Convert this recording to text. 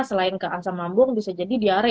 selain ke asam lambung bisa jadi diare